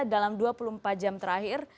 dalam dua puluh empat jam terakhir